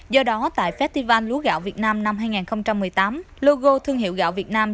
do đó tại festival lúa gạo việt nam năm hai nghìn một mươi tám logo thương hiệu gạo việt nam